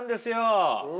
うん！